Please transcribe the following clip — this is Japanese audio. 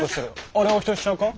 あれお人よしちゃうか？